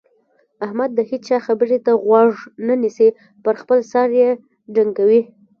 احمد د هيچا خبرې ته غوږ نه نيسي؛ پر خپل سر يې ډنګوي.